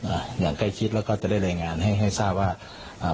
อ่าอย่างใกล้ชิดแล้วก็จะได้รายงานให้ให้ทราบว่าอ่า